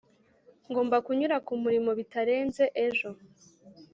ngomba kunyura kumurimo bitarenze ejo.